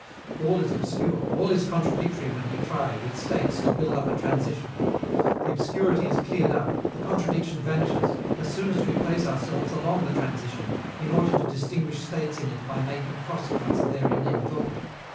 All is obscure, all is contradictory when we try, with states, to build up a transition. The obscurity is cleared up, the contradiction vanishes, as soon as we place ourselves along the transition, in order to distinguish states in it by making cross cuts therein in thought.